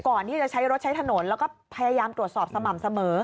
ก่อนที่จะใช้รถใช้ถนนแล้วก็พยายามตรวจสอบสม่ำเสมอ